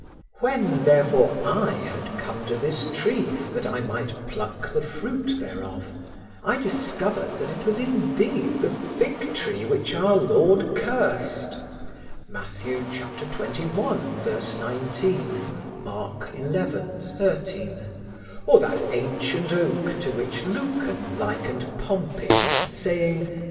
When, therefore, I had come to this tree that I might pluck the fruit thereof, I discovered that it was indeed the fig tree which Our Lord cursed (Matthew xxi, 19; Mark xi, 13), or that ancient oak to which Lucan likened Pompey, saying